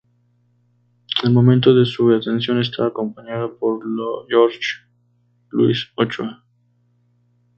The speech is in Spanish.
En el momento de su detención estaba acompañado por Jorge Luis Ochoa.